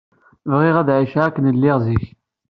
Bɣiɣ ad ɛiceɣ akken lliɣ zik.